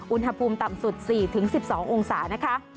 อุณหภูมิต่ำสุด๔๑๒องศานะคะ